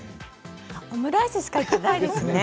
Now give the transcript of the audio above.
オムライスしか言ってないですね。